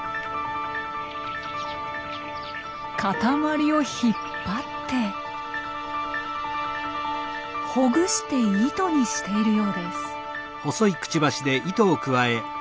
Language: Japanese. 塊を引っ張ってほぐして糸にしているようです。